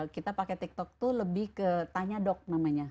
kita pakai tiktok itu lebih ke tanya dok namanya